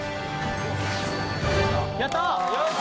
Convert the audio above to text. やった！